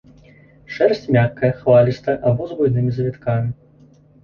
Шэрсць мяккая, хвалістая або з буйнымі завіткамі.